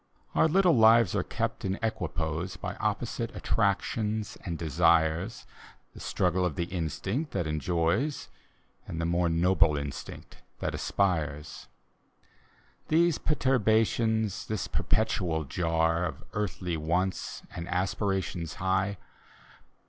Our little lives are kept in equipoise By opposite attractions and desires: The struggle of the instinct that enjoys, And the more noble instinct that aspires. These perturbations, this perpetual jar Of earthly wants and aspirations high.